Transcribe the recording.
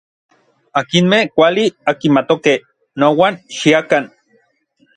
Akinmej kuali ankimatokej, nouan xiakan.